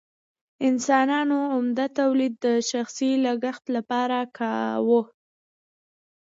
انسانانو عمده تولید د شخصي لګښت لپاره کاوه.